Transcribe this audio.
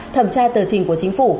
thẩm tra tờ trình của chính phủ